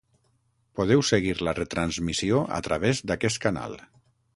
Podeu seguir la retransmissió a través d’aquest canal.